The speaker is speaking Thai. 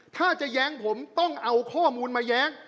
ถ้าจะแย้งผมต้องเอาข้อมูลมาแย้ง